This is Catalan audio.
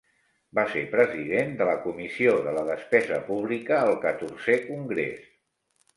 Va ser president de la comissió de la despesa pública al XIV Congrés.